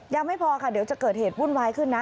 ยังไม่พอค่ะเดี๋ยวจะเกิดเหตุวุ่นวายขึ้นนะ